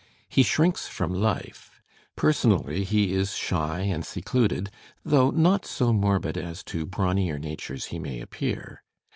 He shrinks from hfe. Personally he is shy and secluded, though not so morbid as to brawnier natures he may appear.